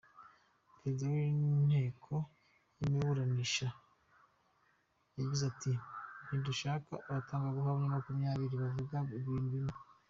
Perezida w’inteko w’imuburanisha yagize ati “Ntidushaka abatangabuhamya makumyabiri bavuga ibintu bimwe.